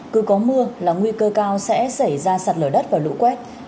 cứ có mưa là nguy cơ cao sẽ xảy ra sạt lở đất và lũ quét